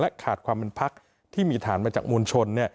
ขาดความเป็นพักที่มีฐานมาจากมวลชน